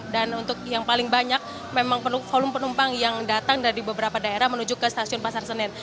dan untuk yang paling banyak memang volume penumpang yang datang dari beberapa daerah menuju ke stasiun pasar senen